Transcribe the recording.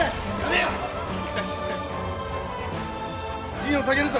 陣を下げるぞ。